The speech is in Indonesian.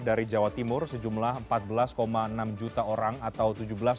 dari jawa timur sejumlah empat belas enam juta orang atau tujuh belas